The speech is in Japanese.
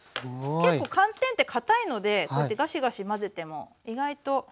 結構寒天ってかたいのでこうやってガシガシ混ぜても意外と崩れませんから。